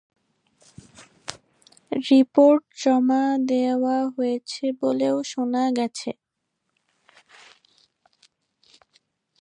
Report জমা দেওয়া হয়েছে বলেও শোনা গেছে।